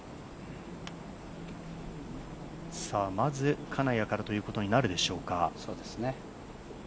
まず、金谷からということになるでしょうか。